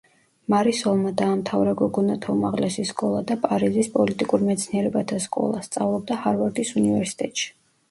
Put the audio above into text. მარისოლმა დაამთავრა გოგონათა უმაღლესი სკოლა და პარიზის პოლიტიკურ მეცნიერებათა სკოლა, სწავლობდა ჰარვარდის უნივერსიტეტში.